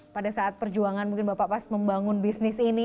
pada saat perjuangan mungkin bapak pas membangun bisnis ini